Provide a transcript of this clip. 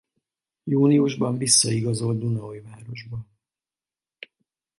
Júniusban visszaigazolt Dunaújvárosba.